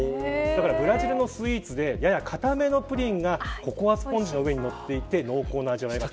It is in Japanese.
ブラジルのスイーツでやや硬めのプリンがココアスポンジの上に乗っていて、濃厚な味わいと。